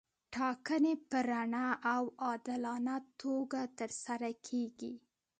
ټاکنې په رڼه او عادلانه توګه ترسره کیږي.